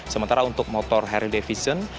sementara untuk motor harley davidson